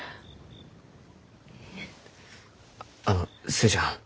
あの寿恵ちゃん